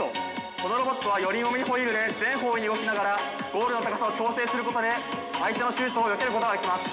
このロボットは四輪オムニホイールで全方位に動きながらゴールの高さを調整することで相手のシュートをよけることができます。